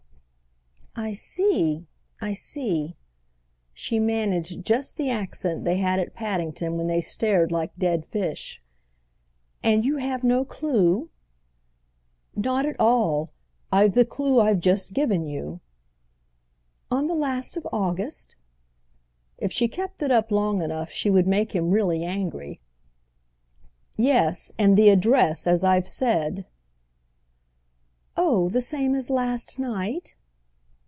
"I see—I see." She managed just the accent they had at Paddington when they stared like dead fish. "And you have no clue?" "Not at all—I've the clue I've just given you." "Oh the last of August?" If she kept it up long enough she would make him really angry. "Yes, and the address, as I've said." "Oh the same as last night?"